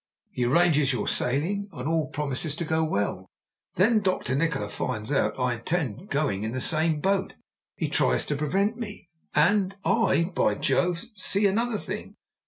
He arranges your sailing, and all promises to go well. Then Dr. Nikola finds out I intend going in the same boat. He tries to prevent me; and I by Jove! I see another thing.